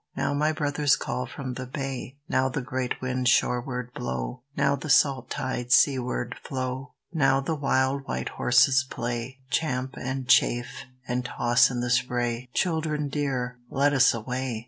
Now my brothers call from the bay, Now the great winds shoreward blow, Now the salt tides seaward flow; Now the wild white horses play, Champ and chafe and toss in the spray. Children dear, let us away!